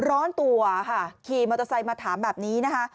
ร้อนตัวค่ะขี่มอเตอร์ไซค์มาถามแบบนี้นะคะ